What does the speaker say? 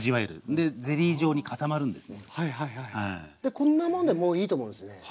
こんなもんでもういいと思うんすね。